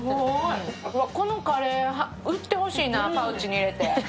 このカレー、売ってほしいな、パウチに入れて。